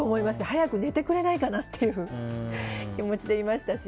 早く寝てくれないかなって気持ちでいましたし。